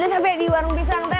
udah sampai di warung pisang teteh